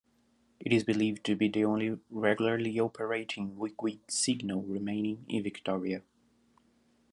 It is believed to be the only regularly operating Wig-wag signal remaining in Victoria.